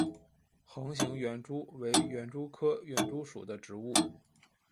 横形园蛛为园蛛科园蛛属的动物。